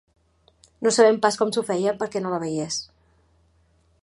No sabem pas com s'ho feia perquè no la veiés.